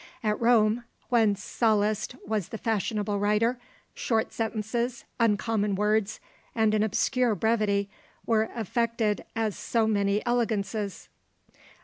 At Rome, when Sallust was the fashionable writer, short sentences, uncommon words, and an obscure brevity, were affected as so many elegances.